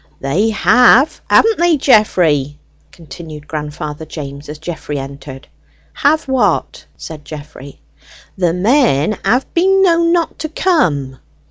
"They have, haven't they, Geoffrey?" continued grandfather James, as Geoffrey entered. "Have what?" said Geoffrey. "The men have been known not to come."